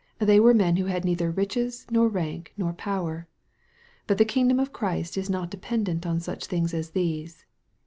They were men who had neither riches, nor rank, nor power. But the kingdom of Christ is not dependent on such things as these.